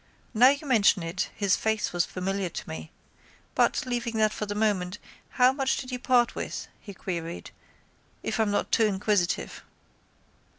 Now you mention it his face was familiar to me. But, leaving that for the moment, how much did you part with, he queried, if I am not too inquisitive?